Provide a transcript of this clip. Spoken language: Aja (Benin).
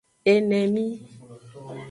Enemi.